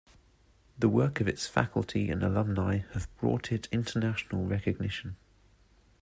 The work of its faculty and alumni have brought it international recognition.